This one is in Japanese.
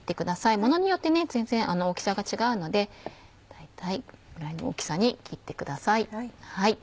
ものによって全然大きさが違うので大体これぐらいの大きさに切ってください。